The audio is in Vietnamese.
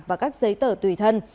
và các giấy tờ tùy thân